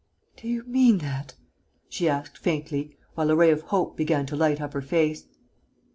"Do you mean that?" she asked, faintly, while a ray of hope began to light up her face.